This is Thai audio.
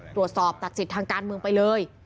ตัดสิทธิ์ทางการเมืองไปเลย